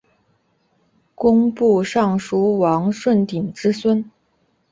工部尚书王舜鼎之孙。